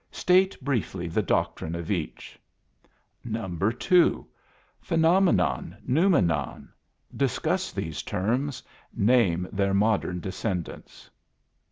State briefly the doctrine of each. 2. Phenomenon, noumenon. Discuss these terms. Name their modern descendants.